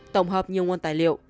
tổng hợp nhiều nguồn tài liệu